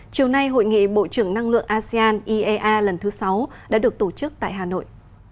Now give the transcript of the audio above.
chiều nay hội nghị bộ trưởng năng lượng asean iea lần thứ sáu đã được tổ chức tại hà nội